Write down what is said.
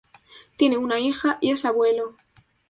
Tiene una hija y es abuelo.